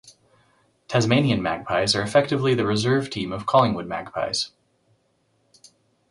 Tasmanian Magpies are effectively the reserve team of Collingwood Magpies.